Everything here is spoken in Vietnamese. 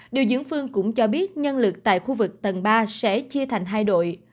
điều dưỡng phương cũng cho biết nhân lực tại khu vực tầng ba sẽ chia thành hai đội